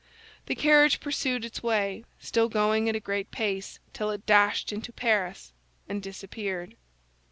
The carriage pursued its way, still going at a great pace, till it dashed into Paris, and disappeared.